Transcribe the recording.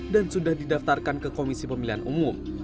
dan sudah didaftarkan ke komisi pemilihan umum